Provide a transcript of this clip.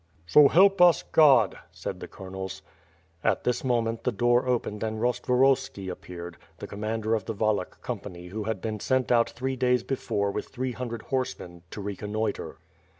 "So help us God," said the colonels. At this moment, the door opened and Rostvorovski ap peared, the commander of the Wallach company who had been sent out three days before wit^ three hundred horsemen, to j econnoitre.